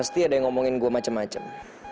pasti ada yang ngomongin gue macem macem